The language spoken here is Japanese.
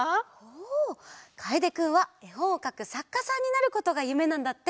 かえでくんはえほんをかくさっかさんになることがゆめなんだって。